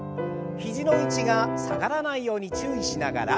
肘の位置が下がらないように注意しながら。